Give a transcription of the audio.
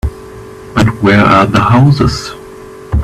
But where are the houses?